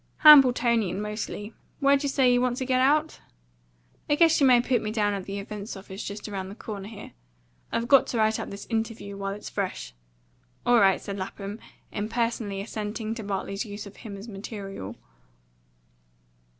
Hambletonian mostly. Where'd you say you wanted to get out?" "I guess you may put me down at the Events Office, just round the corner here. I've got to write up this interview while it's fresh." "All right," said Lapham, impersonally assenting to Bartley's use of him as material.